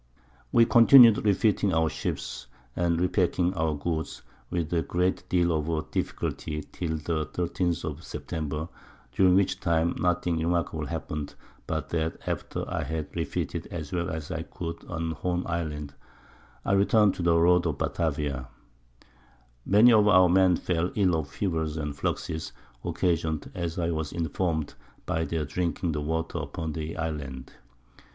We continued refitting our Ships, and re packing our Goods, with a great deal of difficulty, till the 13_th_ of September, during which time nothing remarkable happen'd, but that, after I had refitted as well as I could on Horn Island, I return'd to the Road of Batavia. Many of our Men fell ill of Fevers and Fluxes, occasion'd, as I was inform'd, by their drinking the Water upon the Island.